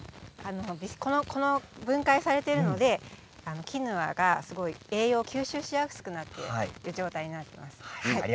分解されているのでキヌアが栄養を吸収しやすくなっている状態になっています。